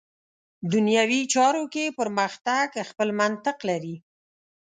دنیوي چارو کې پرمختګ خپل منطق لري.